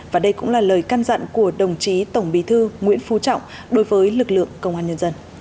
và đây cũng là lời can dặn của đồng chí tổng bí thư nguyễn phú trọng đối với lực lượng công an nhân dân